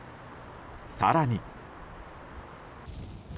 更に。